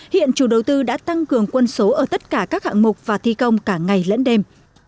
hiện chủ đầu tư đã tăng cường quân số ở tất cả các hạng mục và thi công cả ngày lẫn đêm